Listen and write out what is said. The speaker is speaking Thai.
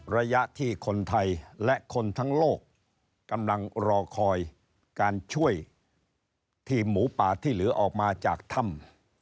ระยะที่คนไทยและคนทั้งโลกกำลังรอคอยการช่วยทีมหมูป่าที่เหลือออกมาจากถ้ำ